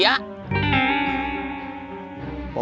tidak ada apa apa